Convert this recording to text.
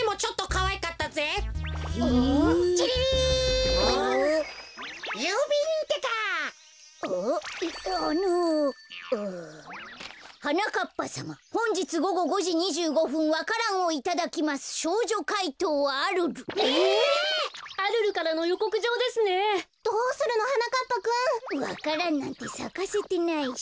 わか蘭なんてさかせてないし。